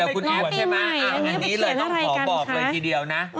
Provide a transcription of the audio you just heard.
พูดถึงเรื่องโซเชียลนะ